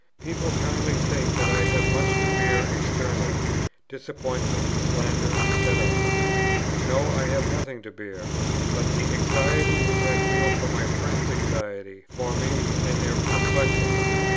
People kindly think that I have much to bear externally, disappointment, slander, &c. No, I have nothing to bear, but the anxiety which I feel for my friends' anxiety for me, and their perplexity.